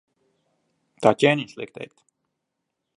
Tā ķēniņš liek teikt.